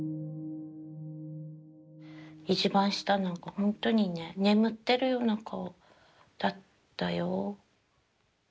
一番下の子ほんとにね眠ってるような顔だったよ。